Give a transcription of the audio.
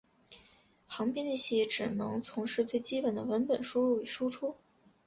行编辑器只能从事最基本的文本输入与输出。